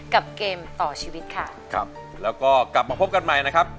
เกมต่อชีวิตค่ะครับแล้วก็กลับมาพบกันใหม่นะครับ